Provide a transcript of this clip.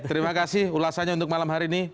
terima kasih ulasannya untuk malam hari ini